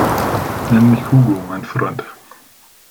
Nenn mich Hugo, mein Freund!